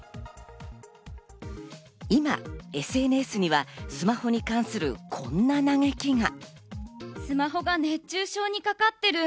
今ＳＮＳにはスマホに関するこんな嘆きが。